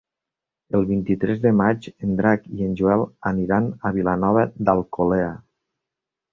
El vint-i-tres de maig en Drac i en Joel aniran a Vilanova d'Alcolea.